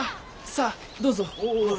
さあどうぞ。